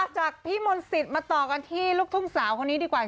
จากพี่มนต์สิทธิ์มาต่อกันที่ลูกทุ่งสาวคนนี้ดีกว่า